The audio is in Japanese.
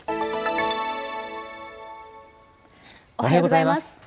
おはようございます。